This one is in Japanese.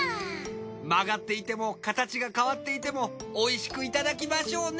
曲がっていても形が変わっていてもおいしくいただきましょうね！